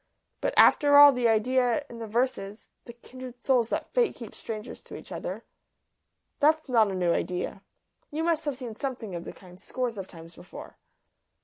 "But, after all, the idea in the verses the kindred souls that Fate keeps strangers to each other that's not a new idea. You must have seen something of the kind scores of times before."